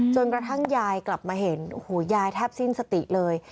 จนกระทั่งยายกลับมาเห็นโอ้โหยายแทบสิ้นสติเลย